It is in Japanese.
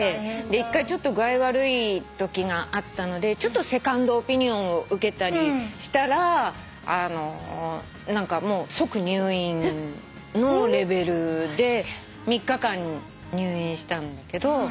１回ちょっと具合悪いときがあったのでセカンドオピニオンを受けたりしたら即入院のレベルで３日間入院したんだけど。